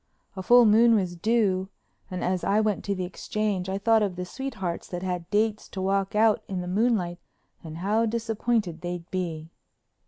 A full moon was due and as I went to the Exchange I thought of the sweethearts that had dates to walk out in the moonlight and how disappointed they'd be.